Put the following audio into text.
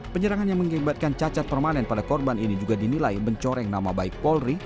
penyerangan yang mengibatkan cacat permanen pada korban ini juga dinilai mencoreng nama baik polri